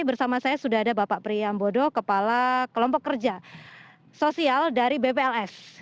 bersama saya sudah ada bapak priyambodo kepala kelompok kerja sosial dari bpls